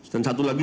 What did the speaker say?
dan satu lagi